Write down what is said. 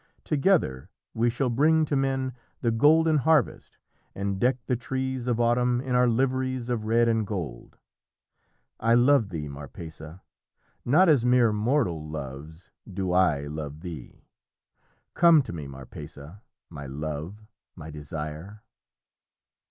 Together we shall bring to men the golden harvest, and deck the trees of autumn in our liveries of red and gold. I love thee, Marpessa not as mere mortal loves do I love thee. Come to me, Marpessa my Love my Desire!"